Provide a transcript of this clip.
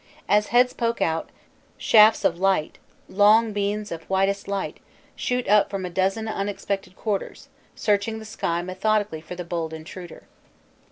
As heads poke out, shafts of light long beams of whitest light shoot up from a dozen unexpected quarters, searching the sky methodically for the bold intruder.